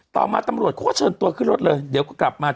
ต่อมาตำรวจเขาก็เชิญตัวขึ้นรถเลยเดี๋ยวก็กลับมา